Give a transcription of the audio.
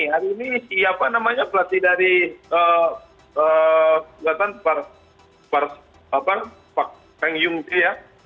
hari ini siapa namanya pelatih dari